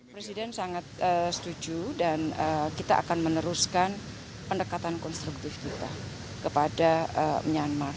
presiden sangat setuju dan kita akan meneruskan pendekatan konstruktif kita kepada myanmar